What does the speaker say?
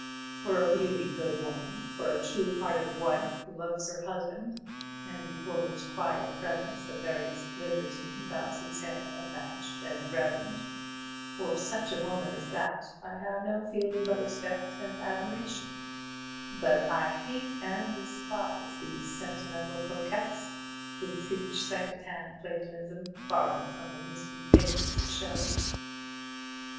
For a really good woman, for a true hearted wife who loves her husband, and before whose quiet presence the veriest libertine bows his head abashed and reverent, for such a woman as that I have no feeling but respect and admiration; but I hate and despise these sentimental coquettes, who preach secondhand platonism, borrowed from the misty pages of Shelley."